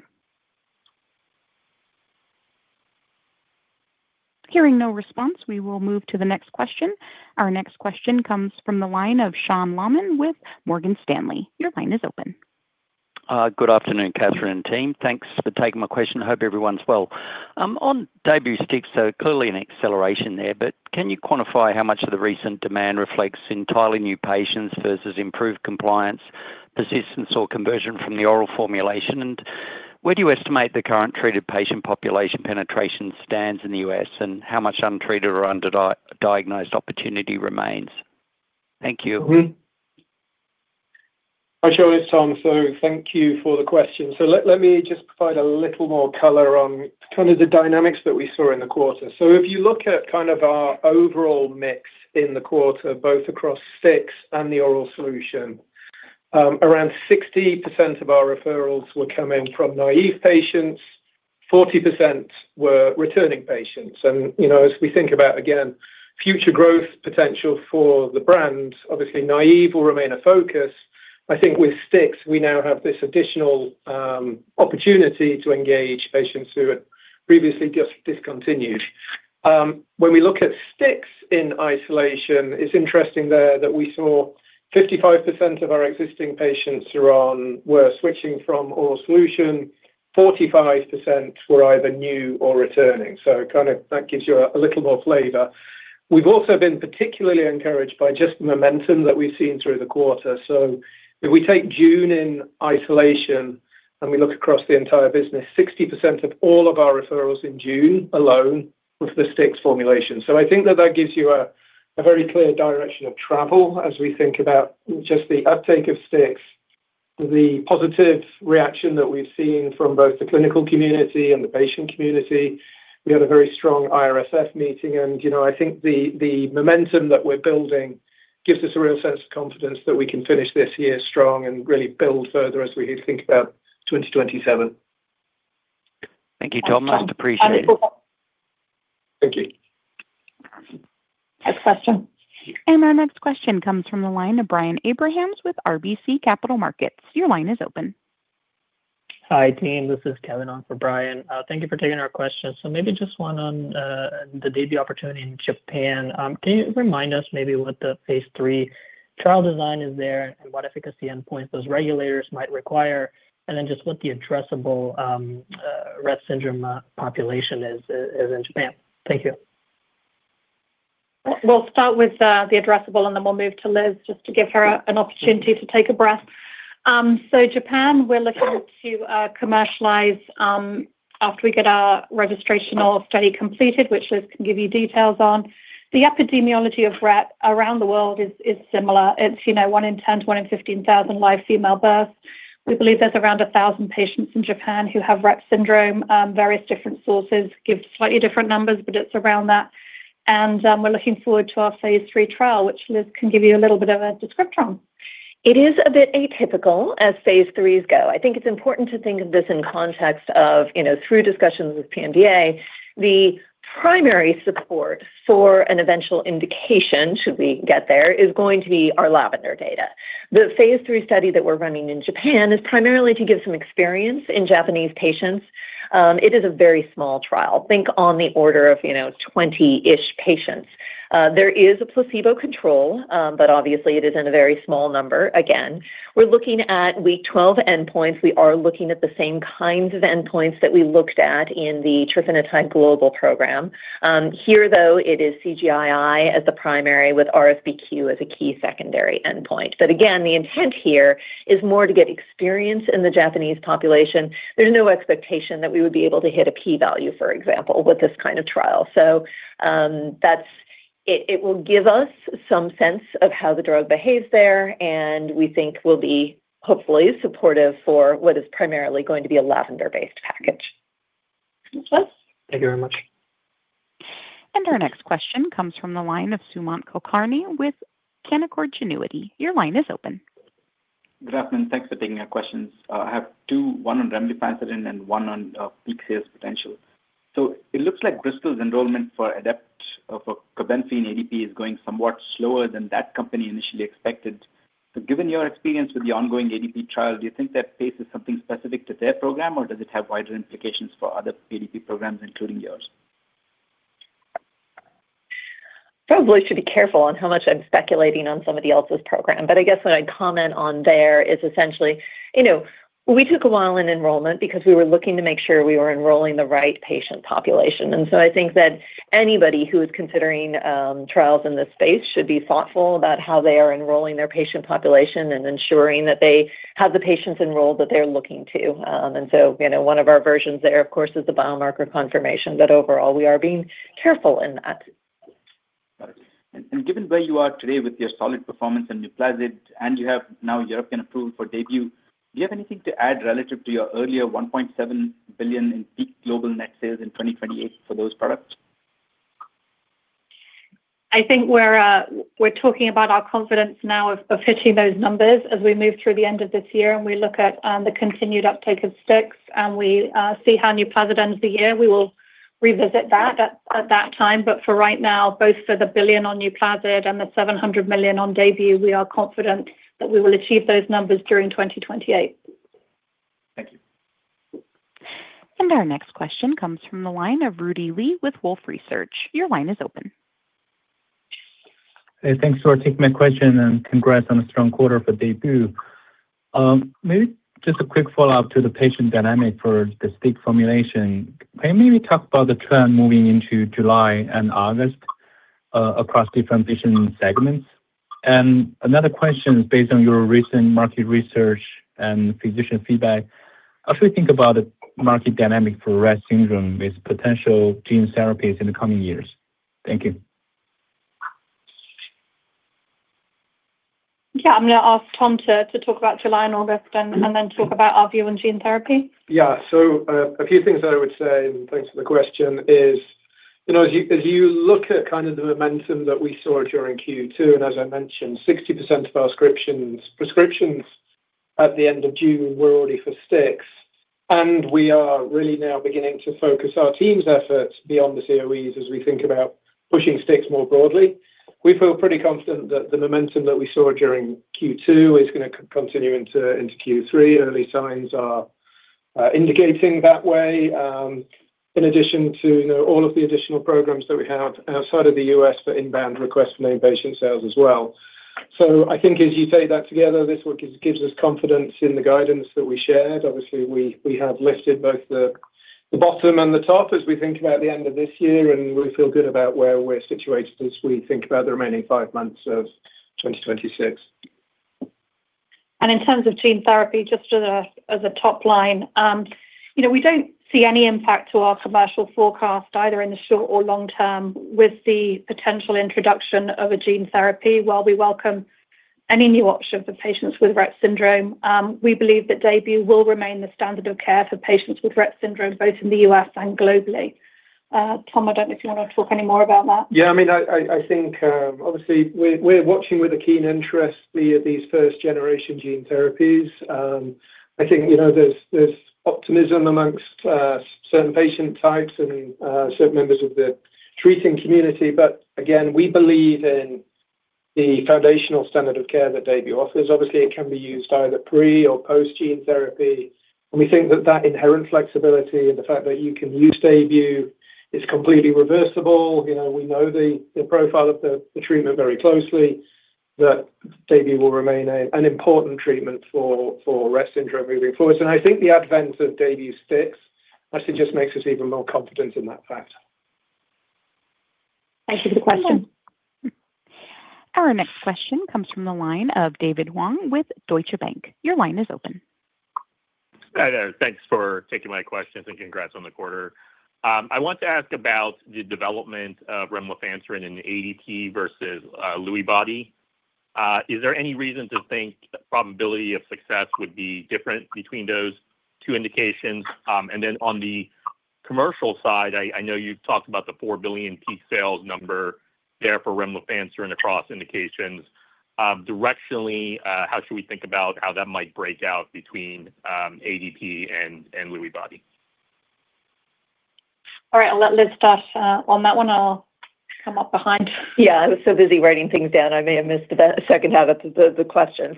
Hearing no response, we will move to the next question. Our next question comes from the line of Sean Loman with Morgan Stanley. Your line is open. Good afternoon, Catherine and team. Thanks for taking my question. Hope everyone's well. On DAYBUE STIX, clearly an acceleration there, can you quantify how much of the recent demand reflects entirely new patients versus improved compliance, persistence, or conversion from the oral formulation? Where do you estimate the current treated patient population penetration stands in the U.S. and how much untreated or underdiagnosed opportunity remains? Thank you. Hi, Sean. It's Tom. Thank you for the question. Let me just provide a little more color on the dynamics that we saw in the quarter. If you look at our overall mix in the quarter, both across STIX and the oral solution. Around 60% of our referrals were coming from naive patients, 40% were returning patients. As we think about, again, future growth potential for the brand, obviously naive will remain a focus. I think with STIX, we now have this additional opportunity to engage patients who had previously just discontinued. When we look at STIX in isolation, it's interesting there that we saw 55% of our existing patients were switching from oral solution, 45% were either new or returning. That gives you a little more flavor. We've also been particularly encouraged by just the momentum that we've seen through the quarter. If we take June in isolation and we look across the entire business, 60% of all of our referrals in June alone was the Stix formulation. I think that that gives you a very clear direction of travel as we think about just the uptake of Stix, the positive reaction that we've seen from both the clinical community and the patient community. We had a very strong IRSF meeting, and I think the momentum that we're building gives us a real sense of confidence that we can finish this year strong and really build further as we think about 2027. Thank you, Tom. Much appreciated. Thank you. Next question. Our next question comes from the line of Brian Abrahams with RBC Capital Markets. Your line is open. Hi, team. This is Kevin on for Brian. Thank you for taking our questions. Maybe just one on the DAYBUE opportunity in Japan. Can you remind us maybe what the phase III trial design is there, and what efficacy endpoints those regulators might require? Then just what the addressable Rett syndrome population is in Japan. Thank you. We'll start with the addressable, then we'll move to Liz just to give her an opportunity to take a breath. Japan, we're looking to commercialize after we get our registrational study completed, which Liz can give you details on. The epidemiology of Rett around the world is similar. It's one in 10 to one in 15,000 live female births. We believe there's around 1,000 patients in Japan who have Rett syndrome. Various different sources give slightly different numbers, but it's around that. We're looking forward to our phase III trial, which Liz can give you a little bit of a description on. It is a bit atypical as phase IIIs go. I think it's important to think of this in context of through discussions with PMDA. The primary support for an eventual indication, should we get there, is going to be our LAVENDER data. The phase III study that we're running in Japan is primarily to give some experience in Japanese patients. It is a very small trial. Think on the order of 20-ish patients. There is a placebo control, but obviously it is in a very small number. Again, we're looking at week 12 endpoints. We are looking at the same kinds of endpoints that we looked at in the trofinetide global program. Here, though, it is CGI-I as the primary with RSBQ as a key secondary endpoint. Again, the intent here is more to get experience in the Japanese population. There's no expectation that we would be able to hit a P value, for example, with this kind of trial. It will give us some sense of how the drug behaves there, and we think will be hopefully supportive for what is primarily going to be a LAVENDER-based package. Liz? Thank you very much. Our next question comes from the line of Sumant Kulkarni with Canaccord Genuity. Your line is open. Good afternoon. Thanks for taking our questions. I have two, one on remlifanserin and one on peak sales potential. It looks like Bristol's enrollment for ADEPT of KarXT ADP is going somewhat slower than that company initially expected. Given your experience with the ongoing ADP trial, do you think that pace is something specific to their program, or does it have wider implications for other ADP programs, including yours? Probably should be careful on how much I'm speculating on somebody else's program. I guess what I'd comment on there is essentially we took a while in enrollment because we were looking to make sure we were enrolling the right patient population. I think that anybody who is considering trials in this space should be thoughtful about how they are enrolling their patient population and ensuring that they have the patients enrolled that they're looking to. One of our versions there, of course, is the biomarker confirmation, but overall, we are being careful in that. Got it. Given where you are today with your solid performance in NUPLAZID, and you have now European approval for DAYBUE, do you have anything to add relative to your earlier $1.7 billion in peak global net sales in 2028 for those products? I think we're talking about our confidence now of hitting those numbers as we move through the end of this year and we look at the continued uptake of DAYBUE STIX and we see how NUPLAZID ends the year. We will revisit that at that time. For right now, both for the $1 billion on NUPLAZID and the $700 million on DAYBUE, we are confident that we will achieve those numbers during 2028. Thank you. Our next question comes from the line of Rudy Li with Wolfe Research. Your line is open. Hey, thanks for taking my question and congrats on a strong quarter for DAYBUE. Maybe just a quick follow-up to the patient dynamic for the STIX formulation. Can you maybe talk about the trend moving into July and August across different patient segments? Another question based on your recent market research and physician feedback, how should we think about the market dynamic for Rett syndrome with potential gene therapies in the coming years? Thank you. Yeah. I'm going to ask Tom to talk about July and August then talk about our view on gene therapy. Yeah. A few things I would say, and thanks for the question, is as you look at the momentum that we saw during Q2, as I mentioned, 60% of our prescriptions at the end of June were already for STIX. We are really now beginning to focus our team's efforts beyond the COEs as we think about pushing STIX more broadly. We feel pretty confident that the momentum that we saw during Q2 is going to continue into Q3. Early signs are indicating that way. In addition to all of the additional programs that we have outside of the U.S. for inbound requests from inpatient sales as well. I think as you take that together, this gives us confidence in the guidance that we shared. Obviously, we have lifted both the bottom and the top as we think about the end of this year. We feel good about where we're situated as we think about the remaining five months of 2026. In terms of gene therapy, just as a top line, we don't see any impact to our commercial forecast either in the short or long term with the potential introduction of a gene therapy. While we welcome any new option for patients with Rett syndrome, we believe that DAYBUE will remain the standard of care for patients with Rett syndrome, both in the U.S. and globally. Tom, I don't know if you want to talk any more about that. I think obviously we're watching with a keen interest these first-generation gene therapies. I think there's optimism amongst certain patient types and certain members of the treating community. Again, we believe in the foundational standard of care that DAYBUE offers, obviously, it can be used either pre or post gene therapy. We think that that inherent flexibility and the fact that you can use DAYBUE, it's completely reversible. We know the profile of the treatment very closely, that DAYBUE will remain an important treatment for Rett syndrome moving forward. I think the advent of DAYBUE STIX, I suggest makes us even more confident in that fact. Thank you for the question. Our next question comes from the line of David Huang with Deutsche Bank. Your line is open. Hi there. Thanks for taking my questions and congrats on the quarter. I want to ask about the development of remlifanserin in ADP versus Lewy body. Is there any reason to think that probability of success would be different between those two indications? Then on the commercial side, I know you've talked about the $4 billion peak sales number there for remlifanserin across indications. Directionally, how should we think about how that might break out between ADP and Lewy body? All right. I'll let Liz start on that one. I'll come up behind. Yeah. I was so busy writing things down, I may have missed the second half of the question.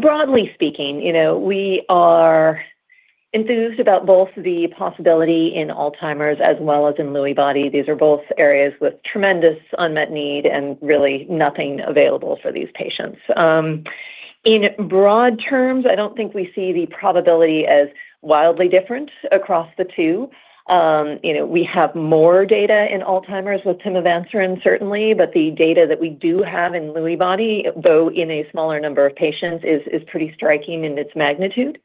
Broadly speaking, we are enthused about both the possibility in Alzheimer's as well as in Lewy body. These are both areas with tremendous unmet need and really nothing available for these patients. In broad terms, I don't think we see the probability as wildly different across the two. We have more data in Alzheimer's with pimavanserin, certainly, but the data that we do have in Lewy body, though in a smaller number of patients, is pretty striking in its magnitude.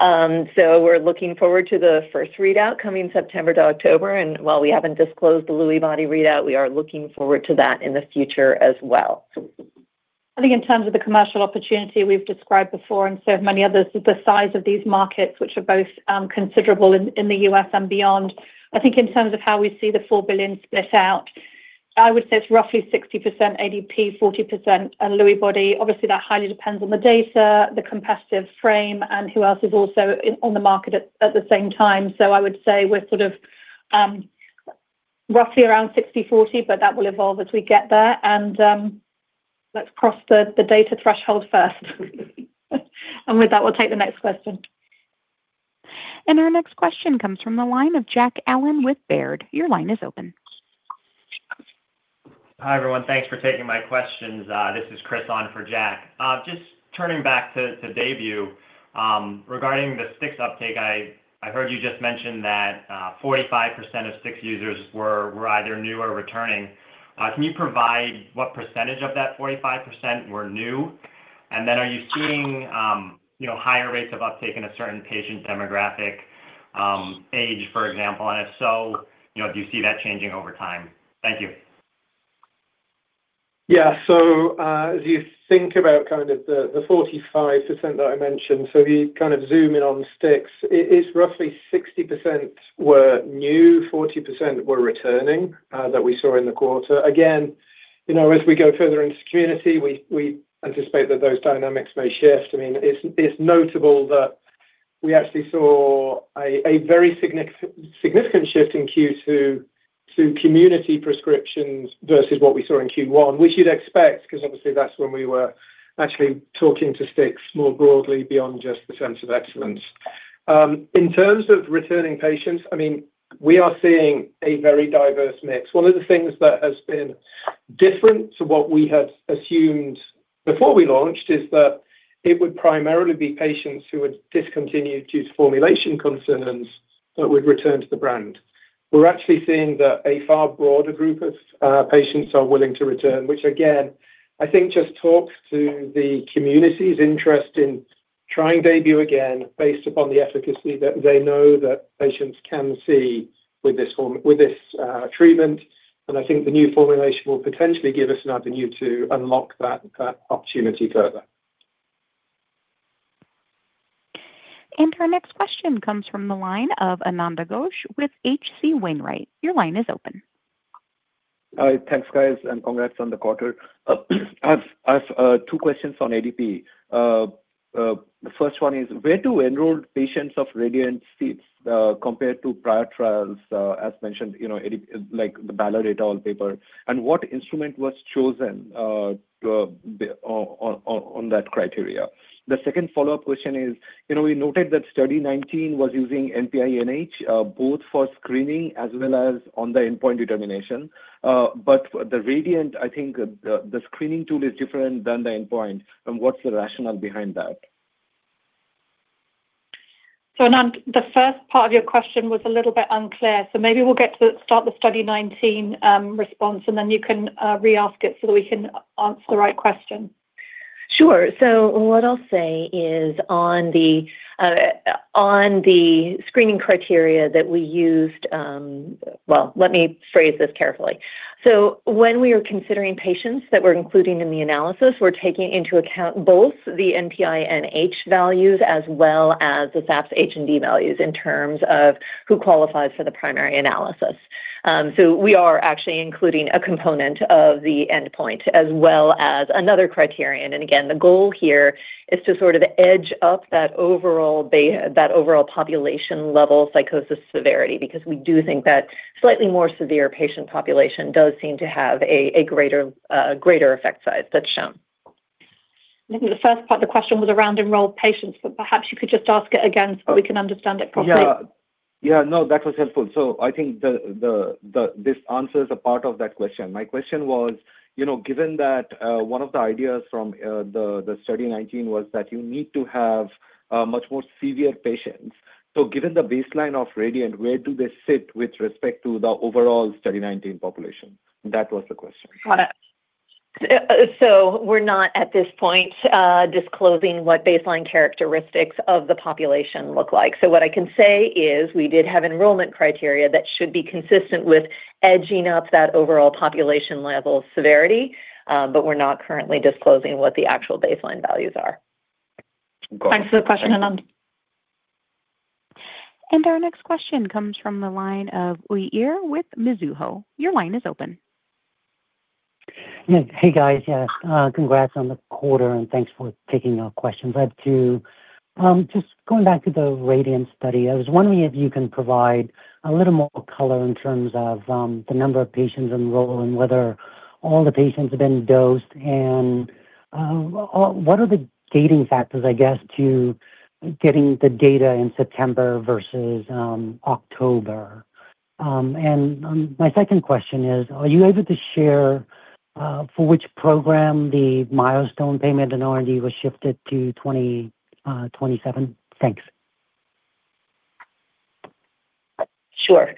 We're looking forward to the first readout coming September to October, while we haven't disclosed the Lewy body readout, we are looking forward to that in the future as well. I think in terms of the commercial opportunity we've described before, and so have many others, the size of these markets, which are both considerable in the U.S. and beyond. I think in terms of how we see the $4 billion split out, I would say it's roughly 60% ADP, 40% Lewy body. Obviously, that highly depends on the data, the competitive frame, and who else is also on the market at the same time. I would say we're roughly around 60/40, but that will evolve as we get there. Let's cross the data threshold first. With that, we'll take the next question. Our next question comes from the line of Jack Allen with Baird. Your line is open. Hi, everyone. Thanks for taking my questions. This is Chris on for Jack. Just turning back to DAYBUE. Regarding the Stix uptake, I heard you just mention that 45% of Stix users were either new or returning. Can you provide what percentage of that 45% were new? Are you seeing higher rates of uptake in a certain patient demographic, age, for example? If so, do you see that changing over time? Thank you. Yeah. As you think about the 45% that I mentioned, if you zoom in on Stix, it is roughly 60% were new, 40% were returning that we saw in the quarter. Again, as we go further into community, we anticipate that those dynamics may shift. It's notable that we actually saw a very significant shift in Q2 to community prescriptions versus what we saw in Q1, which you'd expect because obviously that's when we were actually talking to Stix more broadly beyond just the Centers of Excellence. In terms of returning patients, we are seeing a very diverse mix. One of the things that has been different to what we had assumed before we launched is that it would primarily be patients who had discontinued due to formulation concerns that would return to the brand. We're actually seeing that a far broader group of patients are willing to return, which again, I think just talks to the community's interest in trying DAYBUE again based upon the efficacy that they know that patients can see with this treatment. I think the new formulation will potentially give us an avenue to unlock that opportunity further. Our next question comes from the line of Ananda Ghosh with H.C. Wainwright. Your line is open. Thanks, guys, congrats on the quarter. I have two questions on ADP. The first one is, where do enrolled patients of RADIANT sit compared to prior trials as mentioned, like the Ballard et al paper, what instrument was chosen on that criteria? The second follow-up question is, we noted that Study 019 was using NPI-NH both for screening as well as on the endpoint determination. The RADIANT, I think, the screening tool is different than the endpoint, what's the rationale behind that? Ananda, the first part of your question was a little bit unclear. Maybe we'll get to start the Study 019 response, then you can re-ask it so that we can answer the right question. Sure. What I'll say is on the screening criteria that we used, let me phrase this carefully. When we are considering patients that we're including in the analysis, we're taking into account both the NPI-NH values as well as the SAPS H&D values in terms of who qualifies for the primary analysis. We are actually including a component of the endpoint as well as another criterion. Again, the goal here is to edge up that overall population level psychosis severity, because we do think that slightly more severe patient population does seem to have a greater effect size that's shown. I think the first part of the question was around enrolled patients, perhaps you could just ask it again so we can understand it properly. Yeah. No, that was helpful. I think this answers a part of that question. My question was, given that one of the ideas from the Study 019 was that you need to have much more severe patients. Given the baseline of RADIANT, where do they sit with respect to the overall Study 019 population? That was the question. Got it. We're not at this point disclosing what baseline characteristics of the population look like. What I can say is we did have enrollment criteria that should be consistent with edging up that overall population level severity. We're not currently disclosing what the actual baseline values are. Thanks for the question, Ananda. Our next question comes from the line of Uy Ear with Mizuho. Your line is open. Hey, guys. Congrats on the quarter, and thanks for taking our question. Just going back to the RADIANT study, I was wondering if you can provide a little more color in terms of the number of patients enrolled and whether all the patients have been dosed and what are the gating factors, I guess, to getting the data in September versus October. My second question is, are you able to share for which program the milestone payment in R&D was shifted to 2027? Thanks. Sure.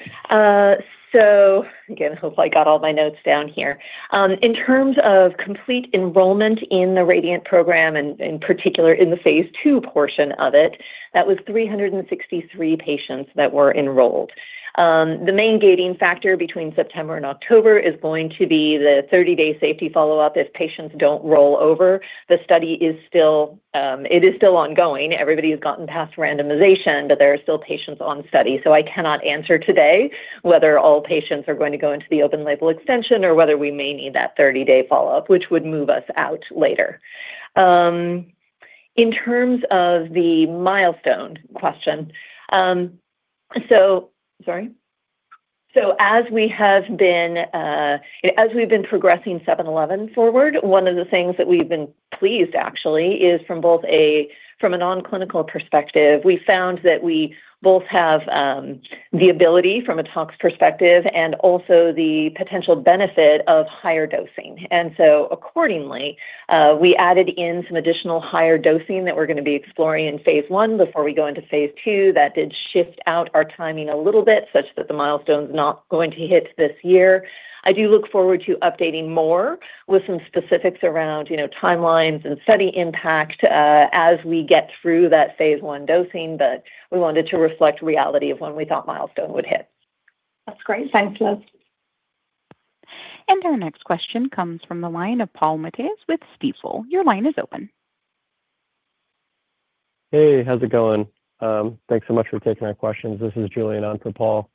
Again, hopefully I got all my notes down here. In terms of complete enrollment in the RADIANT program and in particular in the phase II portion of it, that was 363 patients that were enrolled. The main gating factor between September and October is going to be the 30-day safety follow-up if patients don't roll over. The study is still ongoing. Everybody has gotten past randomization, but there are still patients on study. I cannot answer today whether all patients are going to go into the open label extension or whether we may need that 30-day follow-up, which would move us out later. In terms of the milestone question. Sorry. As we've been progressing ACP-711 forward, one of the things that we've been pleased, actually, is from a non-clinical perspective, we found that we both have the ability from a tox perspective and also the potential benefit of higher dosing. Accordingly, we added in some additional higher dosing that we're going to be exploring in phase I before we go into phase II. That did shift out our timing a little bit such that the milestone's not going to hit this year. I do look forward to updating more with some specifics around timelines and study impact as we get through that phase I dosing. We wanted to reflect reality of when we thought milestone would hit. That's great. Thanks, Liz. Our next question comes from the line of Paul Matteis with Stifel. Your line is open. Hey, how's it going? Thanks so much for taking our questions. This is Julian on for Paul.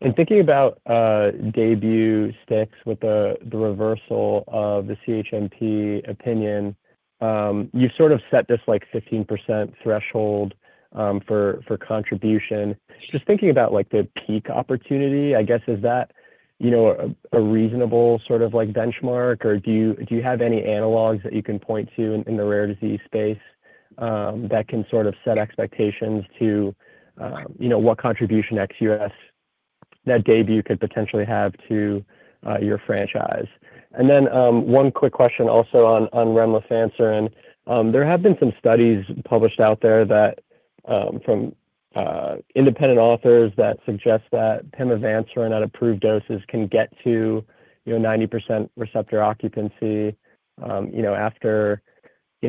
In thinking about DAYBUE STIX with the reversal of the CHMP opinion, you sort of set this 15% threshold for contribution. Just thinking about the peak opportunity, I guess, is that a reasonable sort of benchmark, or do you have any analogs that you can point to in the rare disease space that can sort of set expectations to what contribution ex U.S. that DAYBUE could potentially have to your franchise? One quick question also on remlifanserin. There have been some studies published out there from independent authors that suggest that pimavanserin unapproved doses can get to 90% receptor occupancy after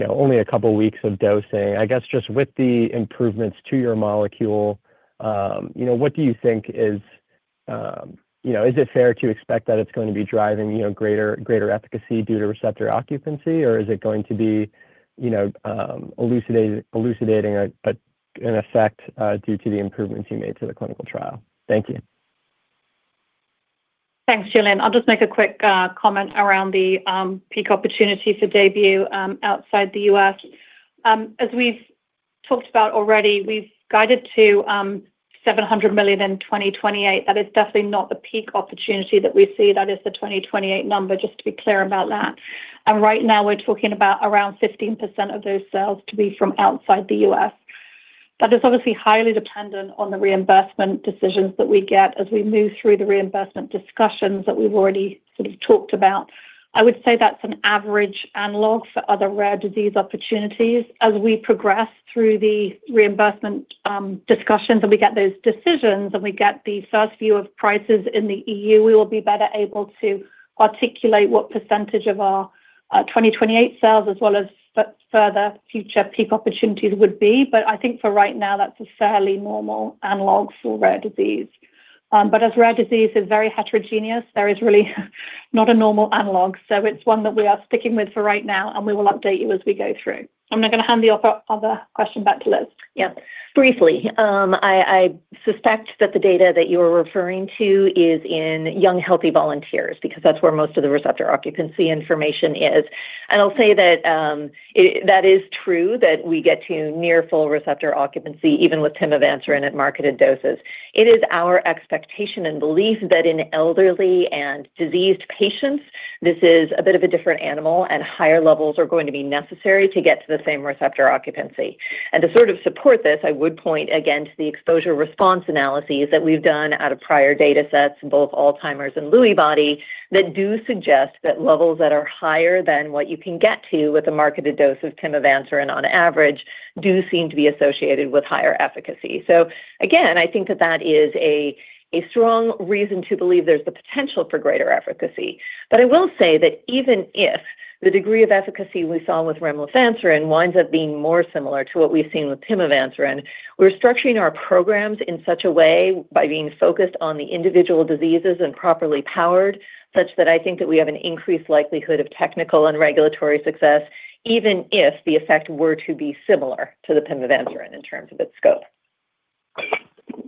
only a couple of weeks of dosing. I guess just with the improvements to your molecule, what do you think is it fair to expect that it's going to be driving greater efficacy due to receptor occupancy, or is it going to be elucidating an effect due to the improvements you made to the clinical trial? Thank you. Thanks, Julian. I'll just make a quick comment around the peak opportunity for DAYBUE outside the U.S. As we've talked about already, we've guided to $700 million in 2028. That is definitely not the peak opportunity that we see. That is the 2028 number, just to be clear about that. Right now we're talking about around 15% of those sales to be from outside the U.S. That is obviously highly dependent on the reimbursement decisions that we get as we move through the reimbursement discussions that we've already sort of talked about. I would say that's an average analog for other rare disease opportunities. As we progress through the reimbursement discussions and we get those decisions and we get the first view of prices in the EU, we will be better able to articulate what percentage of our 2028 sales as well as further future peak opportunities would be. I think for right now, that's a fairly normal analog for rare disease. As rare disease is very heterogeneous, there is really not a normal analog. It's one that we are sticking with for right now, and we will update you as we go through. I'm now going to hand the other question back to Liz. Yeah. Briefly, I suspect that the data that you're referring to is in young, healthy volunteers, because that's where most of the receptor occupancy information is. I'll say that is true that we get to near full receptor occupancy, even with pimavanserin at marketed doses. It is our expectation and belief that in elderly and diseased patients, this is a bit of a different animal, and higher levels are going to be necessary to get to the same receptor occupancy. To sort of support this, I would point again to the exposure response analyses that we've done out of prior datasets in both Alzheimer's and Lewy Body that do suggest that levels that are higher than what you can get to with a marketed dose of pimavanserin on average do seem to be associated with higher efficacy. Again, I think that that is a strong reason to believe there's the potential for greater efficacy. I will say that even if the degree of efficacy we saw with remlifanserin winds up being more similar to what we've seen with pimavanserin, we're structuring our programs in such a way by being focused on the individual diseases and properly powered, such that I think that we have an increased likelihood of technical and regulatory success, even if the effect were to be similar to the pimavanserin in terms of its scope.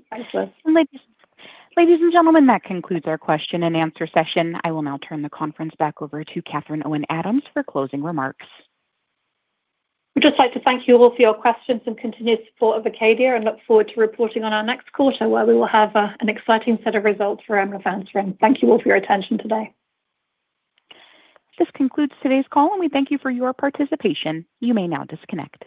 Thanks, Liz. Ladies and gentlemen, that concludes our question and answer session. I will now turn the conference back over to Catherine Owen Adams for closing remarks. We'd just like to thank you all for your questions and continued support of ACADIA and look forward to reporting on our next quarter, where we will have an exciting set of results for remlifanserin. Thank you all for your attention today. This concludes today's call. We thank you for your participation. You may now disconnect.